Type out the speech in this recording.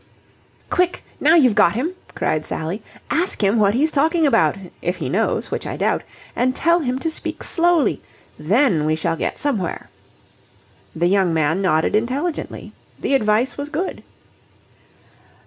"Quick! Now you've got him!" cried Sally. "Ask him what he's talking about if he knows, which I doubt and tell him to speak slowly. Then we shall get somewhere." The young man nodded intelligently. The advice was good.